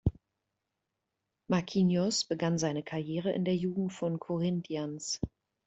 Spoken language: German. Marquinhos begann seine Karriere in der Jugend von Corinthians.